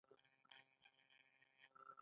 یو ډول یې ساده او بل یې پراخ دی